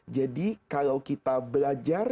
jadi kalau kita belajar